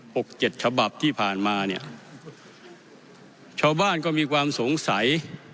หกเจ็ดฉบับที่ผ่านมาเนี่ยชาวบ้านก็มีความสงสัย